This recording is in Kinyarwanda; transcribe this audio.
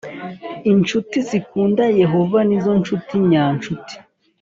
Incuti zikunda Yehova ni zo ncuti nyancuti